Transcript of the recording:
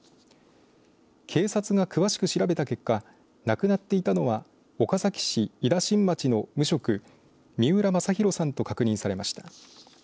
警察が詳しく調べた結果亡くなっていたのは岡崎市井田新町の無職、三浦正裕さんと確認されました。